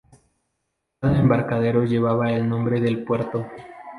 Cada embarcadero llevaba el nombre del puerto.